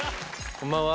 こんばんは。